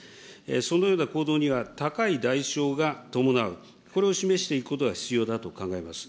そのような行動には高い代償が伴う、これを示していくことが必要だと考えます。